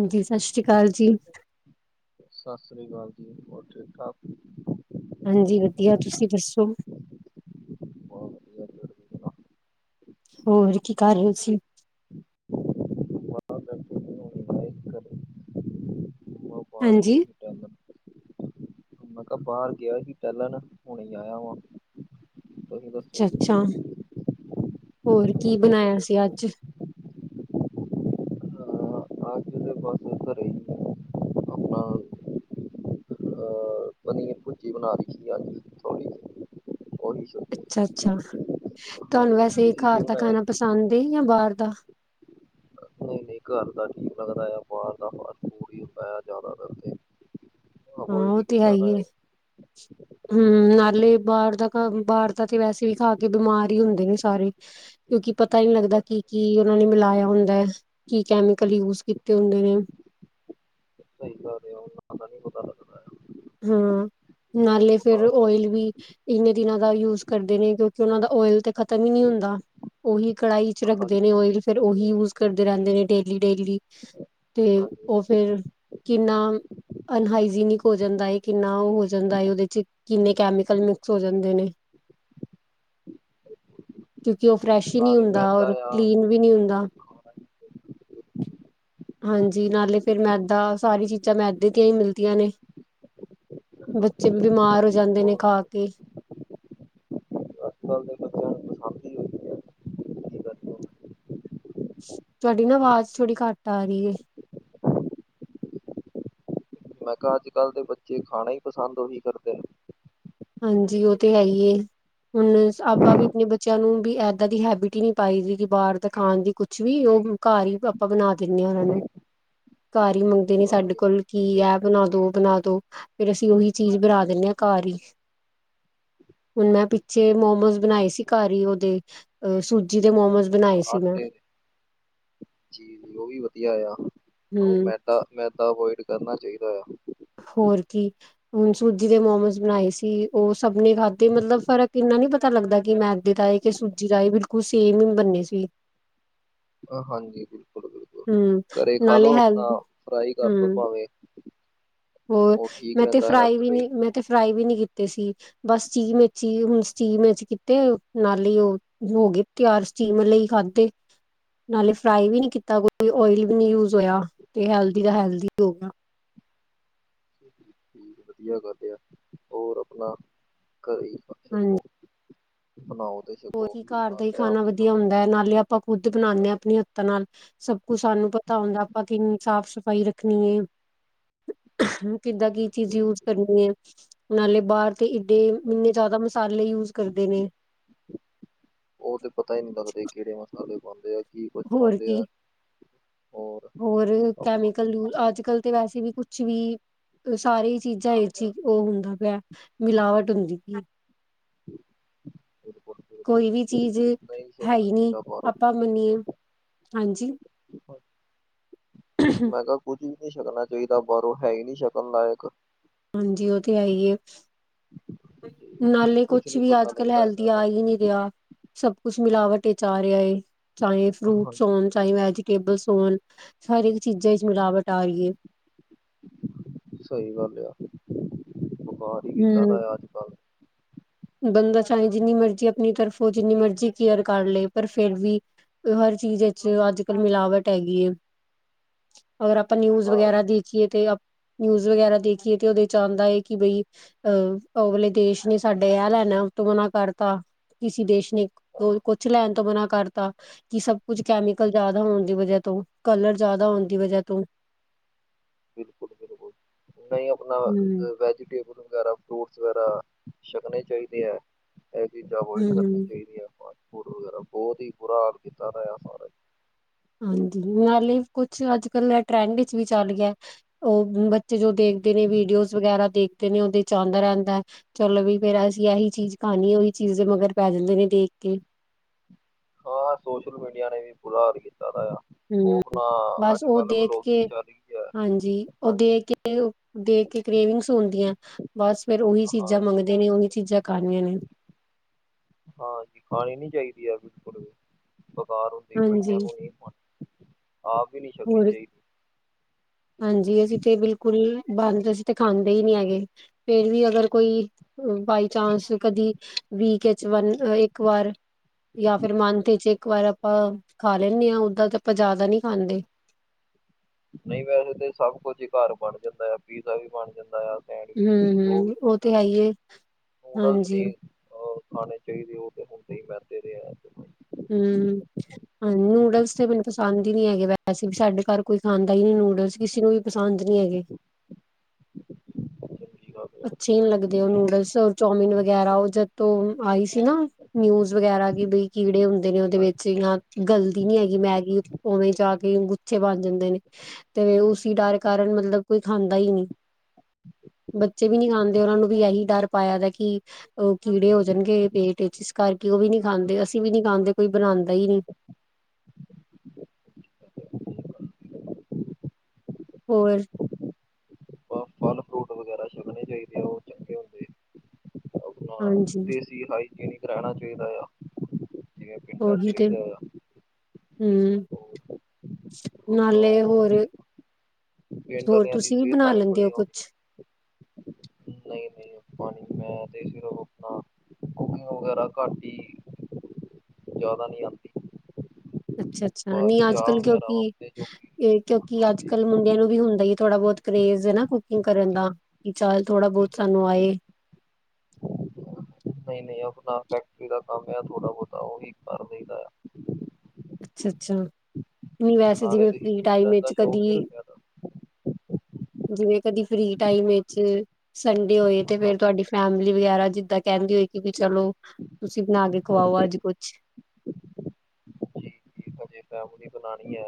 ਹਾਂਜੀ, ਸਤਿ ਸ਼੍ਰੀ ਅਕਾਲ ਜੀ। ਸਤਿ ਸ੍ਰੀ ਅਕਾਲ ਜੀ ਹੋਰ ਠੀਕ ਠਾਕ ਹਾਂਜੀ ਵਧੀਆ ਤੁਸੀਂ ਦੱਸੋ ਬਹੁਤ ਵਧੀਆ ਤੁਸੀਂ ਸੁਣਾਓ? ਹੋਰ ਕੀ ਕਰ ਰਹੇ ਹੋ ਤੁਸੀਂ ਨੂੰ [unintelligible] ਰਿਵਾਾਇਤ ਕਰ ਹਾਂਜੀ [inaudible] ਮੈਂ ਕਿਹਾ ਬਾਹਰ ਗਿਆ ਸੀ ਪਹਿਲਾਂ ਨਾ ਹੁਣੇ ਆਇਆ ਵਾ ਅੱਛਾ ਅੱਛਾ ਹੋਰ ਕੀ ਬਣਾਇਆ ਸੀ ਅੱਜ ਅਜ ਦੇ ਪਾਸ ਘਰ ਆਪਣਾ ਅਹ ਪਨੀਰ ਭੁਜੀ ਬਣਾ ਰਖੀ ਅ ਥੋੜੀ ਉਓਹੀ ਅੱਛਾ ਅੱਛਾ, ਤੁਹਾਨੂੰ ਵੈਸੇ ਤੁਸੀਂ ਕੀ ਘਰ ਦਾ ਬਣਾਇਆ ਖਾਣਾ ਪਸੰਦ ਜਾਂ ਬਾਹਰ ਦਾ। ਨਹੀਂ ਘਰ ਦਾ ਠੀਕ ਲੱਗਦਾ ਆ ਬਾਹਰ ਦਾ ਫਸ ਫੂਡ ਹੀ ਪ ਜ਼ਿਆਦਾ ਦੇ। ਹਾਂ, ਉਹ ਤੇ ਹੈ ਹੀ ਹੈ। ਹਮ ਨਾਲੇ ਬਾਹਰ ਦਾ ਬਾਹਰ ਦਾ ਤੇ ਵੈਸੇ ਵੀ ਖਾ ਕੇ ਬਿਮਾਰ ਹੀ ਹੁੰਦੇ ਨੇ ਸਾਰੇ ਕਿਉਕਿ ਪਤਾ ਹੀ ਨਹੀਂ ਲੱਗਦਾ ਹਾਂਜੀ ਕੀ ਕੀ ਉਹਨਾਂ ਨੇ ਮਿਲਾਇਆ ਹੁੰਦਾ ਹੈ ਕੀ ਕੈਮੀਕਲ ਯੂਜ ਕੀਤੇ ਹੁੰਦੇ ਨੇ ਕਹੀ ਸਕਦੇ ਹੋ ਤਾਂ ਨੀ ਪਤਾ ਲੱਗਦਾ ਆ ਹਾਂ ਬਹੁਤ ਨਾਲੇ ਫੇਰ ਬੇਕਾਰ ਜਾ ਓਇਲ ਵੀ ਇੰਨੇ ਦਿਨਾਂ ਦਾ ਯੂਜ ਕਰਦੇ ਨੇ ਕਿਉਂਕਿ ਉਹਨਾਂ ਦਾ ਓਇਲ ਤੇ ਖਤਮ ਈ ਨਹੀਂ ਹੁੰਦਾ ਓਹੀ ਕੜਾਹੀ ਚ ਹਾਂਜੀ ਰੱਖਦੇ ਨੇ ਓਇਲ ਫਿਰ ਉਹੀ ਯੂਜ ਕਰਦੇ ਰਹਿੰਦੇ ਨੇ ਡੇਲੀ ਡੇਲੀ ਤੇ ਹਾਂਜੀ ਉਹ ਹਾਂਜੀ ਫੇਰ ਕਿੰਨਾ ਅਨਹਾਈਜ਼ਨ ਕੋਚ ਜਾਂਦਾ ਹੈਏ ਕਿੰਨਾ ਉਹ ਹੋ ਜਾਂਦਾ ਉਹਦੇ ਚ ਕਿੰਨੇ ਕੈਮੀਕਲ ਮਿਕਸ ਹੋ ਜਾਂਦੇ ਨੇ [inaudible] ਕਿਉਂਕਿ ਉਹ ਫਰੈਸ਼ ਹੀ ਨਹੀਂ ਨਾਲੇ ਹੁੰਦਾ ਮੈਦਾ ਔਰ ਆ ਕਲੀਨ ਵੀ ਨਹੀਂ ਹੁੰਦਾ ਖਾਣਾ ਹਾਂਜੀ ਨਾਲੇ ਫੇਿਰ ਮੈਦਾ ਸਾਰੀ ਚੀਜ਼ਾਂ ਮੈਦੇ ਦੀਆਂ ਹੀ ਮਿਲਦੀਆਂ ਨੇ ਬੱਚੇ ਵੀ ਬਿਮਾਰ ਹੋ ਜਾਂਦੇ ਨੇ ਬਹੁਤ ਖਾ ਕੇ [unintelligible] ਹੀ ਹੋਈ ਹੈ ਕੀ ਕਰੀਏ ਤੁਹਾਡੀ ਨਾ ਆਵਾਜ਼ ਥੋੜੀ ਘੱਟ ਆ ਰਹੀ ਏ ਮੈਂ ਕਿਹਾ ਅੱਜ ਕੱਲ੍ਹ ਦੇ ਬੱਚੇ ਖਾਣਾ ਹੀ ਪਸੰਦ ਉਹੀ ਕਰਦੇ ਨੇ ਹਾਂਜੀ ਉਹ ਤੇ ਹੈ ਈ ਏ ਹੁਣ ਆਪ ਵੀ ਆਪਣੇ ਬੱਚਿਆਂ ਨੂੰ ਵੀ ਏਦਾਂ ਦੀ ਹੈਬਿਟ ਹੀ ਨੀ ਪਾਈ ਬਾਹਰ ਤਾਂ ਖਾਣ ਦੀ ਕੁਛ ਵੀ ਉਹ ਘਰ ਹੀ ਆਪਾਂ ਬਣਾ ਦਿੰਦੇ ਹਾਂ ਉਹਨਾਂ ਨੂੰ ਘਰ ਹੀ ਮੰਗਦੇ ਨੇ ਸਾਡੇ ਹਾਂਜੀ ਕੋਲ ਕਿ ਇਹ ਬਣਾ ਦੋ ਉਹ ਬਣਾ ਦੋ ਫੇਰ ਅਸੀਂ ਓਹੀ ਚੀਜ਼ ਬਣਾ ਦਿੰਦੇ ਹਾਂ ਘਰ ਹੀ ਹੁਣ ਮੈਂ ਪਿੱਛੇ ਮੋਮੋਸ ਬਣਾਏ ਸੀ ਘਰ ਹੀ ਉਹਦੇ ਸੂਜੀ ਦੇ ਮੋਮੋਜ਼ ਆਟੇ ਜੀ ਜੀ ਉਹ ਵੀ ਵਧੀਆ ਆਇਆ ਹਮ ਮੈਂ ਮੈਦਾ ਅਵੋਇਡ ਕਰਨਾ ਚਾਹੀਦਾ ਆ ਹੋਰ ਕੀ ਹੁਣ ਸੂਜੀ ਦੇ ਮੋਮੋਸ ਬਣਾਏ ਸੀ ਉਹ ਸਭ ਨੇ ਖਾਧੇ ਮਤਲਬ ਫਰਕ ਇੰਨਾ ਨੀ ਪਤਾ ਪਤਾ ਲੱਗਦਾ ਕਿ ਮੈਦੇ ਦਾ ਏ ਕਿ ਸੂਜੀ ਦਾ ਏ ਬਿਲਕੁਲ ਸੇਮ ਈ ਬੰਨੇ ਸੀ ਹਾਂਜੀ ਬਿਲਕੁਲ ਬਿਲਕੁਲ ਹਮ ਘਰੇ ਨਾਲੇ ਖਾਾਲੋ ਹੈਲ ਆਪਣਾ ਫਰਾਈ ਕਰ ਲੋ ਹੂੰ, ਭਾਵੇਂ ਹੋਰ ਉਹ ਠੀਕ ਮੈਂ ਤੇ ਰਹਿੰਦਾ ਫਰਾਈ ਹੈਲਥ ਵੀ ਲਈ ਨੀ ਮੈਂ ਤੇ ਫਰਾਈ ਵੀ ਨੀ ਕੀਤੇ ਸੀ ਬਸ ਸਟੀਮ ਹੀ ਹੁਣ ਸਟੀਮ ਤੇ ਨਾਲ ਹੀ ਉਹ ਹੋ ਗ ਤਿਆਰ [unintelligible] ਲਈ ਖਾਧੇ ਨਾਲੇ ਫਰਾਈ ਵੀ ਨੀ ਕੀਤਾ ਕੋਈ ਓਇਲ ਵੀ ਨ ਯੂਜ ਹੋਇਆ ਤੇ ਹੈਲਦੀ ਦਾ ਹੈਲਦੀ ਹੋ ਗਿਆ ਠੀਕ ਵਧੀਆ ਕਰਦੇ ਆ ਹੋਰ ਆਪਣਾ ਘਰੇ ਹੀ ਹਾਂਜੀ ਛਕੋ ਬਣਾਓ ਦੇ ਹੋਰ ਕੀ ਘਰ ਦਾ ਹੀ ਖਾਣਾ ਵਧੀਆ ਹੁੰਦਾ ਏ। ਨਾਲੇ ਆਪਾਂ ਖੁੱਦ ਬਣਾਉਂਦੇ ਹਾਂ। ਹਾਂਜੀ, ਆਪਣੀ ਹੱਥਾਂ ਨਾਲ ਸਭ ਕੁਛ ਸਾਨੂੰ ਪਤਾ ਹੁੰਦਾ। ਆਪਾਂ ਕਿੰਨੀ ਸਾਫ਼ ਸਫ਼ਾਈ ਰੱਖਣੀ ਹੈ। ਕਿੱਦਾਂ ਕੀ ਚੀਜ਼ ਬਿਲਕੁਲ, ਯੂਜ ਬਿਲਕੁਲ। ਕਰਨੀ ਹੈ। ਨਾਲੇ ਬਾਹਰ ਤੇ ਏਡੇ, ਇੰਨੇ ਜ਼ਿਆਦਾ ਮਸਾਲੇ ਯੂਜ ਕਰਦੇ ਨੇ। ਉਹ ਤੇ ਪਤਾ ਹੀ ਨਹੀਂ ਲੱਗਦੇ ਕਿਹੜੇ ਮਸਾਲੇ ਪਾਉਂਦੇ ਆ। ਕੀ ਕੁਛ ਹੋਰ ਪਾਉਂਦੇ ਕੀ ਆ। ਹੋਰ- ਹੋਰ, ਆਪਣਾ ਕੈਮੀਕਲ ਯੂ, ਅੱਜ ਕੱਲ ਤੇ ਵੈਸੇ ਵੀ ਕੁਛ, ਵੀ ਸਾਰੀ ਚੀਜ਼ਾਂ ਤਾਂ ਵਿਚ ਹੀ ਉਹ ਹੁੰਦਾ ਪਿਆ। ਮਿਲਾਵਟ ਹੁੰਦੀ ਪਈ। [inaudible] ਬਿਲਕੁਲ ਕੋਈ ਵੀ ਚੀਜ਼, ਨਹੀਂ ਹੈ ਛਕਣਾ ਹੀ ਨਹੀਂ ਚਾਹੀਦਾ ਬਾਹਰੋਂ ਆਪਾਂ ਮੰਨੀਏ। ਹਾਂਜੀ। ਮੈਂ ਕਿਹਾ ਕੁੱਝ ਵੀ ਨਹੀਂ ਛਕਣਾ ਚਾਹੀਦਾ ਬਾਹਰੋਂ ਹੈ ਹੀ ਨਹੀਂ ਛਕਣ ਲਾਇਕ। ਹਾਂਜੀ। ਉਹ ਤੇ ਹੈ ਈ ਏ। ਨਾਲੇ ਕੁਛ ਨੀ ਵੀ ਪਤਾ ਅੱਜ ਕੱਲ ਲੱਗਦਾ ਹੈਲਦੀ ਇਹਨਾਂ ਦਾ ਆ ਹੀ ਨਹੀਂ ਰਿਹਾ ਸਭ ਕੁਛ ਮਿਲਾਵਟ ਵਿਚ ਆ ਰਿਹਾ ਏ ਚਾਹੇ ਹਾਂ, ਫਰੂਟਸ ਹੋਣ ਚਾਹੇ ਵੈ ਟੇਬਲ ਸੋਨ ਹਰੇਕ ਚੀਜ਼ਾਂ ਵਿਚ ਮਿਲਾਵਟ ਆ ਰਹੀ ਏ ਸਹੀ ਗੱਲ ਆ ਬੁਖਾਰ ਹੀ ਕਿੱਦਾਂ ਹਮ ਦਾ ਅੱਜ ਕੱਲ ਬੰਦਾ ਚਾਹੇ ਜਿੰਨੀ ਮਰਜ਼ੀ ਆਪਣੀ ਤਰਫੋਂ ਜਿੰਨੀ ਮਰਜ਼ੀ ਕੇਅਰ ਕਰ ਲਏ ਪਰ ਫੇਰ ਵੀ ਹਰ ਚੀਜ਼ ਵਿੱਚ, ਅੱਜ ਕਲ ਮਿਲਾਵਟ ਹੈਗੀ ਏ [inaudible] [inaudible] ਹੋਰ ਆਪਾਂ, ਨਿਊਜ਼ ਹਾਂ ਵਗੈਰਾ ਦੀ ਜੀ ਤੇ ਨਿਊਜ਼ ਵਗੈਰਾ ਦੇਖੀਏ ਤੇ ਉਹਦੇ ਚ ਆਉਂਦਾ ਹੈ। ਕਿ ਬਈ ਅਹ ਅਗਲੇ ਦੇਸ਼ ਨੇ ਸਾਡੇ ਦੇਣਾ ਲੈਣਾ ਤੋਂ ਮਨਾ ਕਰਤਾ। ਕਿਸੇ ਦੇਸ਼ ਨੇ ਹਾਂ ਕੁਛ ਲੈਣ ਤੋਂ ਮਨਾ, ਕਰਤਾ ਜਿ ਸਭ ਕੁਝ ਕੈਮੀਕਲ ਜ਼ਿਆਦਾ ਹੋਣ ਦੀ ਵਜ੍ਹਾ ਤੋਂ, ਕਲਰ ਜ਼ਿਆਦਾ ਹੋਣ ਦੀ ਵਜ੍ਹਾ, ਤੋਂ ਬਿਲਕੁਲ -ਬਿਲਕੁਲ ਨਹੀਂ, ਆਪਣਾ ਹਮ ਵੈਜੀਟੇਬਲ ਵਗੈਰਾ, ਫਰੂਟਸ ਵਗੈਰਾ, ਛਕਣੇ ਚਾਹੀਦੇ ਆ। ਇਹ ਚੀਜ਼ਾਂ, ਅਵੋਇਡ ਹਮ ਕਰਨੀਆਂ ਹਮ ਚਾਹੀਦੀਆਂ ਆਪ ਨੂੰ, ਫੂਡ ਵਗੈਰਾ ਬਹੁਤ ਹੀ ਬੁਰਾ ਹਾਲ ਕੀਤਾ, ਰਿ ਸਾਰੇ ਹਾਂਜੀ, ਨਾਲੇ ਕੁਛ ਅੱਜ ਕੱਲ ਟਰੈਂਡ ਵਿੱਚ ਵੀ ਚੱਲ ਗਿਆ। ਉਹ ਬੱਚੇ ਜੋ ਦੇਖਦੇ ਨੇ ਵੀਡੀਓਜ਼ ਵਗੈਰਾ, ਦੇਖਦੇ ਨੇ ਉਹਦੇ ਚ ਆਉਂਦਾ ਰਹਿੰਦਾ, ਹੈ ਚਲੋ ਵੀ, ਫੇਰ ਅਸੀਂ ਇਹੀ ਚੀਜ਼ ਖਾਣੀ, ਉਹੀ ਚੀਜ਼ ਦੇ ਮਗਰ ਪੈ ਜਾਂਦੇ ਨੇ ਦੇਖ ਕੇ ਹਾਂ, ਸੋਸ਼ਲ ਮੀਡੀਆ ਨੇ ਵੀ ਬੁਰਾ ਹਰ ਕੀਤਾ ਦਾ, ਆ ਉਹ ਹੂੰ। ਆਪਣਾ, ਬਸ ਅੱਜ ਉਹ ਕੱਲ੍ਹ ਅਵ ਦੇਖ ਲੋਕ ਕੇ ਜਯਦੀ ਹਾਂਜੀ, ਉਹ ਦੇ ਕੇ ਦੇ ਕੇ ਕਰੇਵਿੰਗ ਸੁੰਦੀਆਂ ਬਸ ਫੇਰ, ਉਹੀ ਹਾਂ ਚੀਜ਼ਾਂ ਮੰਗਦੇ ਨੇ, ਉਹੀ ਚੀਜ਼ ਖਾਂਦੇ ਨੇ ਹਾਂਜੀ, ਖਾਣੀ ਨਈ ਚਾਹੀਦੀ ਅ ਬਿਲਕੁਲ, ਬੇਕਾਰ ਹੁੰਦੀ, ਹਾਂਜੀ ਬੱਚਿਆਂ ਨੂੰ ਨਹੀਂ ਆਪ ਈ ਨਹੀਂ, ਛਕਣੀ ਹੋਰ ਚਾਹੀਦੀ। ਹਾਂਜੀ, ਅਸੀਂ ਤੇ ਬਿਲਕੁਲ ਏ ਚੀਜ਼ ਅਸੀਂ ਤੇ ਖਾਂਦੇ, ਹੀ ਨਹੀਂ ਹੈਗੇ। ਫੇਰ ਵੀ ਅਗਰ ਕੋਈ ਬਾਈ ਚਾਂਸ, ਕਦੀ ਵੀਕ ਚ' ਇੱਕ ਵਾਰ ਜਾਂ ਫਿਰ, ਮੰਥ ਚ ਇੱਕ ਵਾਰ, ਆਪਾਂ ਖਾ ਲੈਂਣੇ ਹਾਂ। ਓਦਾਂ ਤੇ ਆਪਾਂ ਜ਼ਿਆਦਾ ਨੀ, ਖਾਂਦੇ ਨਹੀਂ ਵੈਸੇ ਤਾਂ, ਸਭ ਕੁਝ ਹੀ ਘਰ ਬਣ ਜਾਂਦਾ ਆ, ਪੀਜ਼ਾ ਵੀ ਬਣ ਜਾਂਦਾ, ਆ ਸੈਂਡਵਿਚ ਹੁੰ ਵੀ ਜੋ ਵੀ ਹੁੰ ਉਹ ਕੁ ਤੇ ਹੈ ਹੀ ਏ, ਹਾਂਜੀ ਅ ਖਾਣੇ ਚਾਹੀਦੇ ਉਹ ਤੇ ਹੁੰਦੇ ਹੀ ਮੈਦੇ ਦੇ ਅ ਹੁੰ ਹਾਂ, ਨੂਡਲਸ ਤੇ ਮੈਨੂੰ ਪਸੰਦ ਹੀ ਨੀ ਹੈਗੇ, ਵੈਸੇ ਵੀ ਸਾਡੇ ਘਰ ਕੋਈ ਖਾਂਦਾ ਹੀ ਨੀ ਨੂਡਲਸ, ਕਿਸੇ ਨੂੰ ਵੀ ਪਸੰਦ, ਨਹੀਂ ਹੈਗੇ। ਸਤਿ ਸ੍ਰੀ ਅਕਾਲ। ਅੱਛੇ ਨਹੀਂ ਲੱਗਦੇ ਉਹਨੂੰ ਨੂਡਲਸ, ਚੌਮਿਨ, ਵਗੈਰਾ ਉਹ ਜਦੋਂ ਤੋਂ ਆਈ ਸੀ। ਨਾ ਜੂਸ ਵਗੈਰਾ ਕਿ ਬੀ ਕੀੜੇ ਹੁੰਦੇ ਨੇ, ਉਹਦੇ ਹਾਂ ਵਿੱਚ ਜਾਂ ਗਲਦੀ ਨਈ ਹੈਗੀ ਮੈਗੀ, ਉਵੇਂ ਜਾ ਕੇ ਗੁੱਛੇ ਬਣ ਜਾਂਦੇ ਨੇ ਤੇ ਉਸੀ ਡਰ ਕਾਰਨ, ਮਤਲਬ ਕੋਈ ਖਾਂਦਾ ਹੀ ਨਹੀਂ ਬੱਚੇ ਵੀ ਨਹੀਂੀ ਖਾਾਂਦੇ, ਉਹਨਾਂ ਨੂੰ ਵੀ ਇਹੀ ਡਰ ਪਾਇਆ ਦਾ, ਕਿ ਉਹ ਕੀੜੇ ਹੋ ਜਾਣਗੇ ਪੇਟ ਵਿਚ, ਇਸ ਕਰਕੇ ਉਹ ਵੀ ਨੀ ਖਾਂਦੇ, ਅਸੀਂ ਵੀ ਨੀ ਖਾਂਦੇ ਕੋਈ ਬਣਾਦੇ ਹੀ ਨਈ ਹੋਰ ਫਲ ਫਰੂਟ ਵਗੈਰਾ ਛਗਣੇ ਚਾਹੀਦੇ ਆ ਉਹ ਚੰਗੇ ਹੁੰਦੇ। ਆਪਣਾ ਹਾਂਜੀ ਦੇਸੀ ਹਾਈਕੀਨ ਕ ਰਹਿਣਾ ਚਾਹੀਦਾ ਆ। ਜਿਵੇਂ ਪਿੰਡਾਂ ਚ ਰਹੀਦਾ ਆ। ਹੂੰ, ਉਹ ਆਪਣਾ ਨਾਲੇ ਹੋਰ ਉਹ ਪਿੰਡ ਹੋਰ ਵਾਲਿਆਂ ਦੀ ਤੁਸੀਂ ਵੀ ਬਣਾ ਸਿਹਤਾਂ ਲੈਂਦੇ ਹੋ ਬੜੀਆਂ ਹੁੰਦੀਆਂ ਕੁਛ। ਨਹੀਂ ਨਹੀਂ ਆਪਾਂ ਨੀ ਮੈਂ ਤੇ ਸਿਰਫ ਆਪਣਾ ਕੁਕਿੰਗ ਵਗੈਰਾ ਘੱਟ ਹੀ ਜਿਆਦਾ ਨਈ, ਆਲਸੀ ਅੱਛਾ ਅੱਛਾ ਨਹੀਂ ਅੱਜ ਕੱਲ ਕਿਉਂਕਿ ਜੋ ਕਿ ਕਿਉਂਕਿ ਅੱਜ ਹਾਂਜੀ ਕੱਲ ਮੁੰਡਿਆਂ ਨੂੰ ਵੀ ਹੁੰਦਾ, ਥੋੜਾ ਬਹੁਤ ਕਰੇਜ ਹੈ ਨਾ, ਕੁਕਿੰਗ ਕਰਨ ਦਾ, ਕਿ ਚੱਲ ਥੋੜਾ ਬਹੁਤਾ ਸਾਨੂੰ ਆਏ ਨਹੀਂ ਨਹੀਂ ਆਪਣਾ ਫੈਕਟਰੀ ਦਾ ਕੰਮ, ਆ ਥੋੜਾ ਬਹੁਤਾ ਉਹੀ ਕਰ ਦਈਂ, ਦਾ ਅੱਛਾ ਅੱਛਾ ਨਹੀਂ ਵੈਸੇ ਨਾਲੇ ਜਿਵੇਂ ਹੀ ਫ੍ਰਰੀ ਟਾਈਮ ਫਿਟਨਸ ਦਾ ਵਿੱਚ ਸ਼ੌਕ ਹੋ, ਕਦੀ ਗਿਆ ਜਿਵੇਂ, ਕਦੀ ਫ੍ਰੀ ਟਾਈਮ ਵਿੱਚ ਸੰਡੇ ਹੋਏ, ਤੇ ਫੇਰ ਹਾਂਜੀ ਤੁਹਾਡੀ ਫੈਮਲੀ, ਵਗੈਰਾ ਜਿੱਦਾਂ ਕਹਿੰਦੀ ਹੋਏਗੀ ਕਿ ਚਲੋ ਤੁਸੀਂ ਬਣਾ ਕੇ ਹਾਂਜੀ ਖਵਾਓ, ਅੱਜ? ਜੇ ਫੈਮਿਲੀ ਬਣਾਣੀ ਏ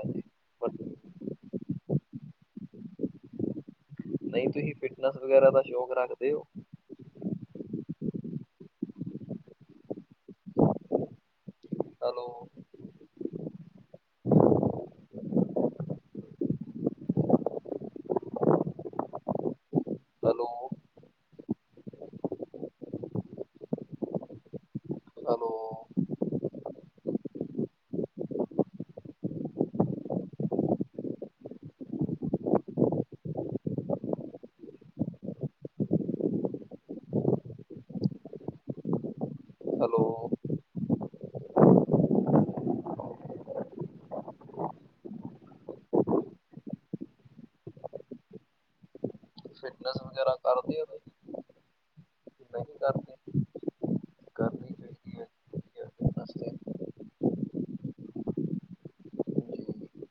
ਨਹੀਂ, ਤੁਸੀਂ ਫਿਟਨੈਸ ਵਗੈਰਾ ਦਾ ਸ਼ੌਕ ਰੱਖਦੇ ਹੋ? Hello hello? Hello hello fitness ਵਗੈਰਾ ਕਰਦੇ ਓ ਕੋਈ। [unintelligible] ਕਰਨੀ ਚਾਹੀਦੀ ਹੈ ਵਧੀਆ ਫਿਟਨੈਸ ਤੇ ਜੀ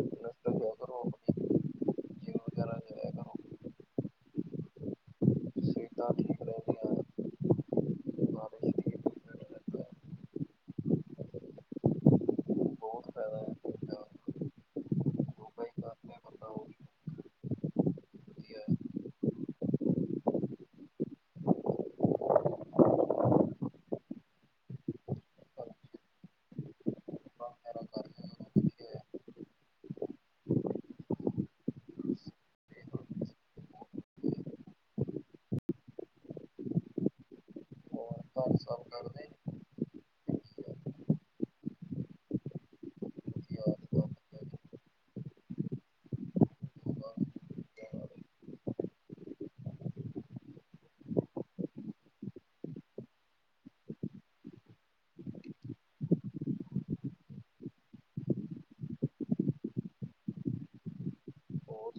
ਫਿਟਨੈਸ ਤਾਂ ਕਿਆ ਕਰੋ ਆਪਣੀ ਜਿੰਮ ਵਗੈਰਾ ਜਾਇਆ ਕਰੋ ਸਿਹਤਾਂ ਠੀਕ ਰਹਿੰਦੀਆਂ ਸਾਰੇ ਸਰੀਰ ਨੂੰ ਫਿਟ ਰਹਿੰਦਾ ਹੈ ਬਹੁਤ ਫਾਇਦਾ ਹੈ ਯੋਗਾ ਹੀ ਕਰਦੇ ਬੰਦਾ ਉਹ ਵੀ ਵਧੀਆ ਹੈ ਵਗੈਰਾ ਕਰਦੇ ਉਹ ਵਧੀਆ ਹੈ ਹੋਰ ਘਰ ਸਭ ਕਰਦੇ ਹੋਰ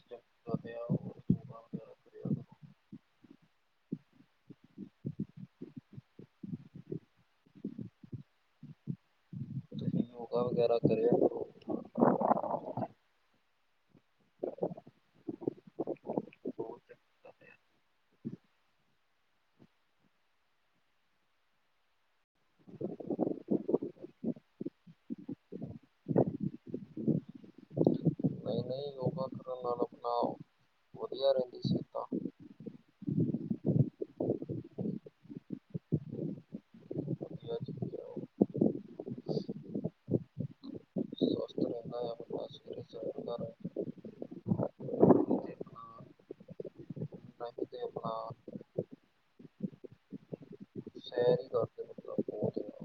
ਕਰਦੇ ਆ ਹੋਰ ਯੋਗਾ ਵਗੈਰਾ ਕਰਿਆ ਕਰੋ। ਤੁਸੀਂ ਯੋਗਾ ਵਗੈਰਾ ਕਰਿਆ ਕਰੋ ਬਹੁਤ ਚੰਗੀ ਗੱਲ ਹੈ। ਇਨਾ ਹੀ ਯੋਗਾ ਕਰਨ ਨਾਲ ਆਪਣਾ ਵਧੀਆ ਰਹਿੰਦੀ ਸੇਹਤਾ। ਵਧੀਆ ਚੀਜ਼ ਹੈ। ਸਵਸਥ [inaudible] ਤੇ ਆਪਣਾ ਹਾਂ। ਸੈਰ ਹੀ ਕਰਦੇ ਬੰਦਾ ਬਹੁਤ ਜ਼ਿਆਦਾ।